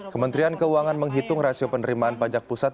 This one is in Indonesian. kementerian keuangan menghitung rasio penerimaan pajak pusat